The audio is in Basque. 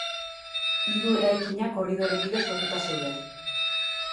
Hiru eraikinak korridore bidez lotuta zeuden.